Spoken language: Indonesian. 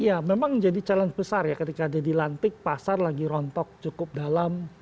ya memang jadi challenge besar ya ketika ada di lantik pasar lagi rontok cukup dalam